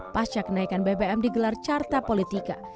pasca kenaikan bbm digelar carta politika